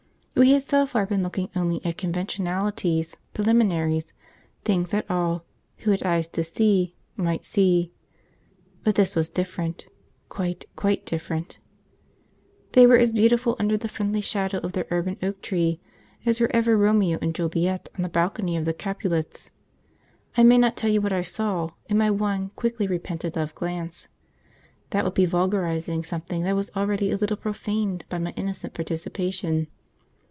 We had so far been looking only at conventionalities, preliminaries, things that all (who had eyes to see) might see; but this was different quite, quite different. They were as beautiful under the friendly shadow of their urban oak tree as were ever Romeo and Juliet on the balcony of the Capulets. I may not tell you what I saw in my one quickly repented of glance. That would be vulgarising something that was already a little profaned by my innocent participation.